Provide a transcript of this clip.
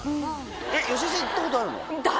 芳根さん行ったことあるの？